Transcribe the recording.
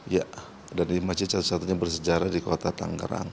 ya dan di masjid satu satunya bersejarah di kota tanggerang